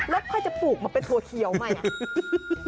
แล้วค่อยจะปลูกมาเป็นถั่วเขียวใหม่อ่ะ